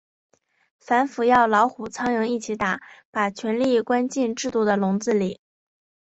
反腐要老虎、苍蝇一起打，把权力关进制度的笼子里。